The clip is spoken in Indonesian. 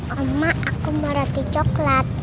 oma aku mau roti coklat